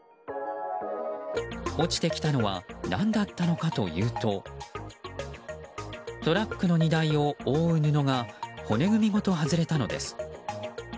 落ちてきたのは何だったのかというとトラックの荷台を覆う布が骨組みごと外れたのです。